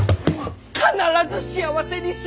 必ず幸せにします！